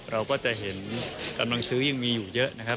เราก็จะเห็นกำลังซื้อยังมีอยู่เยอะนะครับ